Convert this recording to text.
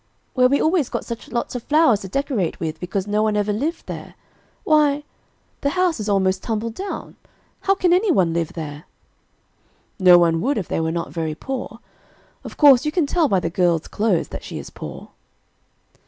"Where we always got such lots of flowers to decorate with because no one ever lived there. Why, the house is almost tumbled down. How can anyone live there?" "No one would if they were not very poor. Of course you can tell by the girl's clothes that she is poor."